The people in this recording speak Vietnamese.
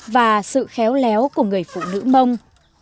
và sự khéo léo của người phụ nữ mông